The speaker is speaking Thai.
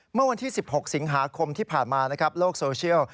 เมื่อวันที่๑๖สิงหาคมที่ผ่านมานะครับโลกโซเชียล